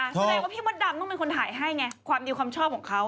แสดงว่าพี่มดดำต้องเป็นคนถ่ายให้ไงความดีความชอบของเขา